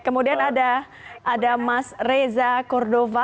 kemudian ada mas reza kordova